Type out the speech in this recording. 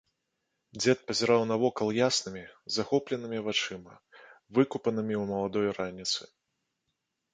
Дзед пазіраў навакол яснымі, захопленымі вачыма, выкупанымі ў маладой раніцы.